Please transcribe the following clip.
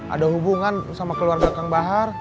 ada hubungan sama keluarga kang bahar